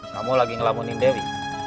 kamu lagi ngelamunin dewi